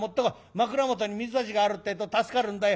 枕元に水差しがあるってえと助かるんだよ。